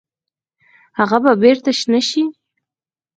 هغه به بیرته شنه شي؟